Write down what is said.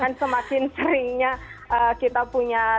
dan semakin seringnya kita punya